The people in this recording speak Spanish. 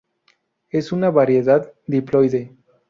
Es una Variedad diploide.